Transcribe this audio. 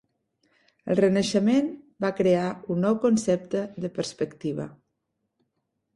El Renaixement va crear un nou concepte de perspectiva.